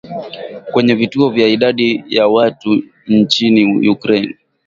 kwenye vituo vya idadi ya watu nchini Ukraine